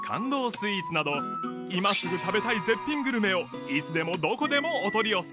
スイーツなど今すぐ食べたい絶品グルメをいつでもどこでもお取り寄せ